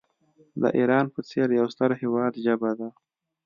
د ایران په څېر یو ستر هیواد ژبه ده.